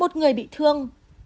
một người bị thương